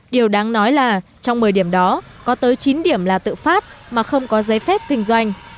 điều đáng nói là trong một mươi điểm đó có tới chín điểm là tự phát mà không có giấy phép kinh doanh